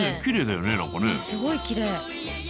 すごいきれい。